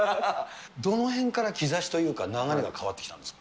どのへんから兆しというか、流れが変わってきたんですか。